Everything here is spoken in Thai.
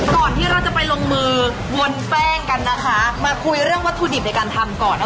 ก่อนที่เราจะไปลงมือวนแป้งกันนะคะมาคุยเรื่องวัตถุดิบในการทำก่อนนะคะ